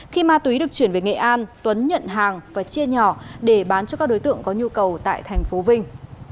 khi ma túy được chuyển về nghệ an tuấn nhận hàng và chia nhỏ để bán cho các đối tượng có nhu cầu tại thành phố vinh